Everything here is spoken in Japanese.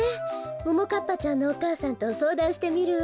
ももかっぱちゃんのお母さんとそうだんしてみるわ。